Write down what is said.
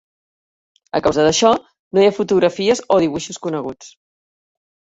A causa d'això, no hi ha fotografies o dibuixos coneguts.